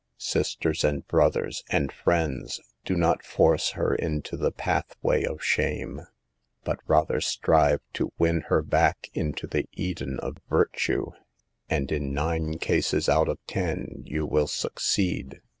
Sisters and brothers and friends, do not force her into the pathway of shame, but rather strive to win her back into the Eden of virtue, and in nine cases out of ten you will succeed.